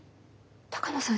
鷹野さん